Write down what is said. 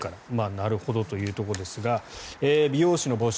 なるほどということですが美容師の募集